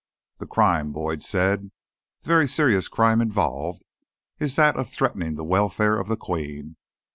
"The crime," Boyd said, "the very serious crime involved, is that of Threatening the Welfare of the Queen.